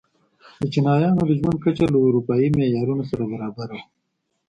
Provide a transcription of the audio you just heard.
د چینایانو د ژوند کچه له اروپايي معیارونو سره برابره وه.